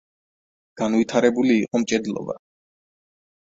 განვითარებული იყო მჭედლობა.